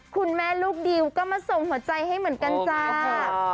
คุณแม่ลูกดิวก็มาส่งหัวใจให้เหมือนกันจ้า